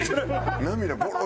涙ボロー！